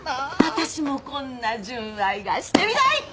私もこんな純愛がしてみたい！